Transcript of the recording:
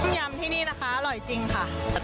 ยำที่นี่นะคะอร่อยจริงค่ะ